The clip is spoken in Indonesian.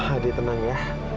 adi tenang ya